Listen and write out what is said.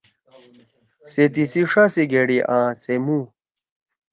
سے تسی ݜا سی گھیڑی آں سے مُو۔